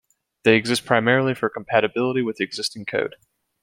They exist primarily for compatibility with existing code.